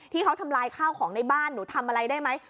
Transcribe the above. ที่เขาทำลายข้าวของในบ้านหนูทำอะไรได้ไหม